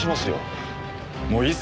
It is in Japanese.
もういいっすか？